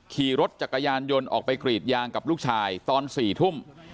ขี่รถจักรยานยนต์ออกไปกรีดยางกับลูกชายตอน๔ทุ่ม